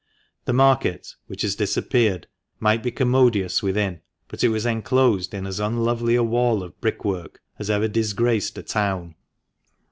The Market, which has disappeared, might be commodious within, but it was enclosed in as unlovely a wall of brick work as ever disgraced a town.